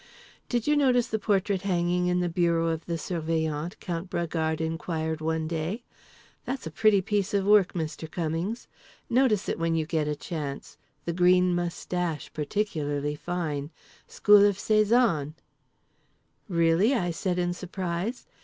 "Did you notice the portrait hanging in the bureau of the Surveillant?" Count Bragard inquired one day. "That's a pretty piece of work, Mr. Cummings. Notice it when you get a chance. The green moustache, particularly fine. School of Cézanne."—"Really?" I said in surprise.